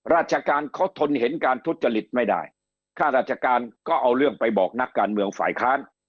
ราชการเขาทนเห็นการทุจริตไม่ได้ข้าราชการก็เอาเรื่องไปบอกนักการเมืองฝ่ายค้าน